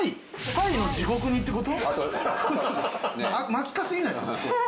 真っ赤すぎないですか？